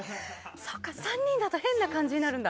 そっか、３人だと変な感じになるんだ。